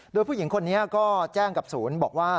โดยผู้หญิงคนนี้ก็แจ้งกับศูนย์บอกว่า